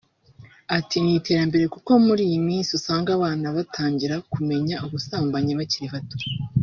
Ati “Ni iterambere kuko muri iyi minsi usanga abana batangira kumenya ubusambanyi bakiri bato